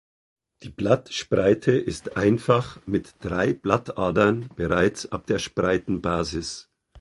Die Blattspreite ist einfach mit drei Blattadern bereits ab der Spreitenbasis.